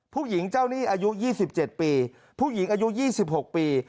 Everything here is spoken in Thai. ผู้หญิงเจ้าหนี้อายุ๒๗ปีผู้หญิงอายุ๒๖ปี